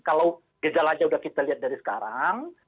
kalau gejalannya udah kita lihat dari sekarang